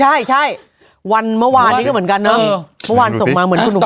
อ่ะใช่วันเมื่อวานนี้มันกันมาเหมือนห้า